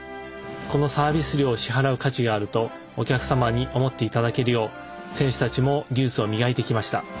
このサービス料を支払う価値があるとお客様に思って頂けるよう選手たちも技術を磨いてきました。